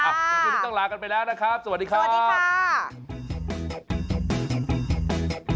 วันนี้ต้องลากันไปแล้วนะครับสวัสดีครับ